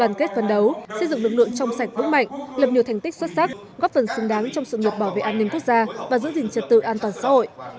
đoàn kết phấn đấu xây dựng lực lượng trong sạch vững mạnh lập nhiều thành tích xuất sắc góp phần xứng đáng trong sự nghiệp bảo vệ an ninh quốc gia và giữ gìn trật tự an toàn xã hội